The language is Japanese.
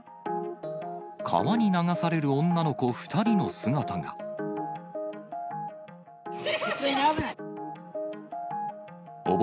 川に流される女の子２人の姿普通に危ない。